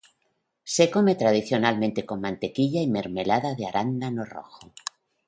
Se come tradicionalmente con mantequilla y mermelada de arándano rojo.